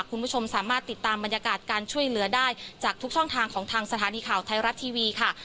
คุณผู้ชมสามารถติดตามบรรยากาศการช่วยเหลือได้จากทุกช่องทางของทางสถานีข่าวไทยรัฐทีวีค่ะ